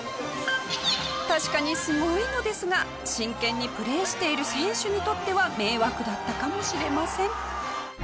確かにすごいのですが真剣にプレーしている選手にとっては迷惑だったかもしれません。